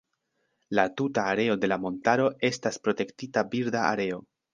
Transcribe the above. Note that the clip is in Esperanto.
La tuta areo de la montaro estas Protektita birda areo.